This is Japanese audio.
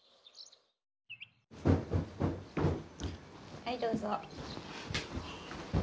はい、どうぞ。